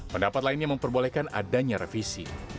pendapat lainnya memperbolehkan adanya revisi